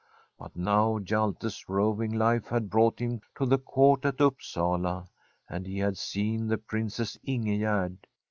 But now Hjalte's roving life had brought him to the Court at Upsala, and he had seen the Princess Ingegerd.